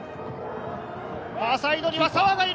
ファーサイドには澤がいる！